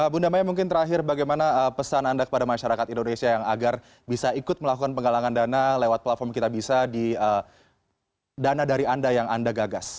bunda maya mungkin terakhir bagaimana pesan anda kepada masyarakat indonesia yang agar bisa ikut melakukan penggalangan dana lewat platform kita bisa di dana dari anda yang anda gagas